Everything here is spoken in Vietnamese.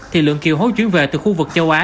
thì lượng kiều hối chuyển về từ khu vực châu á